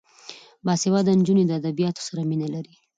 باسواده نجونې د ادبیاتو سره مینه لري.